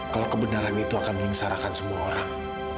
kalau kebenaran itu akan menyengsarakan semua orang